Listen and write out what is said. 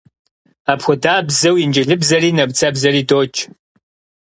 Апхуэдабзэу инджылызыбзэри нэмыцэбзэри додж.